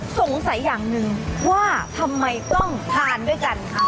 สงสัยอย่างหนึ่งว่าทำไมต้องทานด้วยกันค่ะ